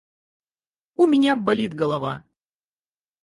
У меня болит голова.